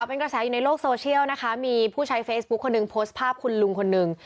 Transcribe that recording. เป็นกระแสอยู่ในโลกโซเชียลนะคะมีผู้ใช้เฟซบุ๊คคนหนึ่งโพสต์ภาพคุณลุงคนหนึ่ง